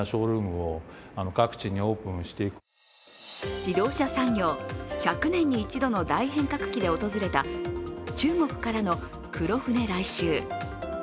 自動車産業、１００年に一度の大変革期で訪れた中国からの黒船来襲。